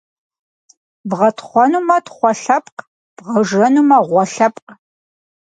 Бгъэтхъуэнумэ, тхъуэ лъэпкъ, бгъэжэнумэ, гъуэ лъэпкъ.